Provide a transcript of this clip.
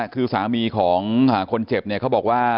คือสามีของคนเจ็บเนี่ยเขาบอกว่า